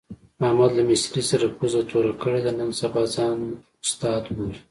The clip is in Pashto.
احمد له مستري سره پوزه توره کړې ده، نن سبا ځان استاد بولي.